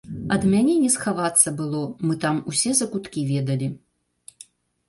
Ад мяне не схавацца было, мы там усе закуткі ведалі.